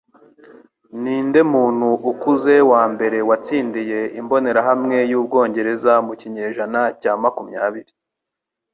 Ninde muntu ukuze wambere watsindiye imbonerahamwe yubwongereza mu kinyejana cya makumyabiri?